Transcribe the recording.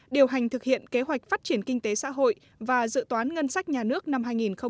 điều hành thực hiện kế hoạch phát triển kinh tế xã hội và dự toán ngân sách nhà nước năm hai nghìn hai mươi